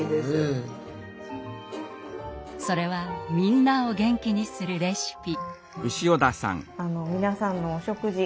それはみんなを元気にするレシピ。